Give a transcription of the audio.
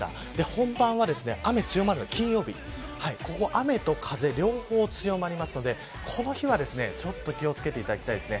本番は雨が強まるのは金曜日雨と風、両方強まりますのでこの日は、ちょっと気を付けていただきたいです。